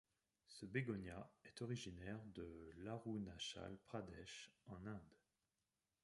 Ce bégonia est originaire de l'Arunachal Pradesh, en Inde.